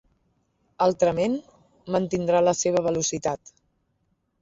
Altrament, mantindrà la seva velocitat.